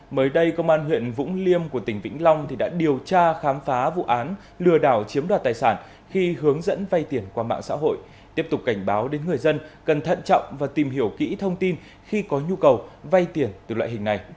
mới đây công an huyện vũng liêm của tỉnh vĩnh long đã điều tra khám phá vụ án lừa đảo chiếm đoạt tài sản khi hướng dẫn vay tiền qua mạng xã hội tiếp tục cảnh báo đến người dân cần thận trọng và tìm hiểu kỹ thông tin khi có nhu cầu vay tiền từ loại hình này